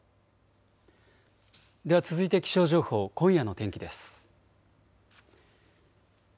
では続いて気象情報、今夜の天気です。